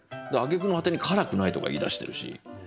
あげくの果てに「辛くない」とか言いだしてるし。